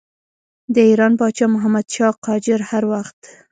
د ایران پاچا محمدشاه قاجار هر وخت.